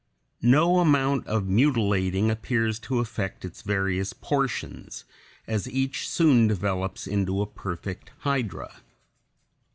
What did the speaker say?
No amount of mutilating appears to affect its various portions, as each soon develops into a perfect hydra.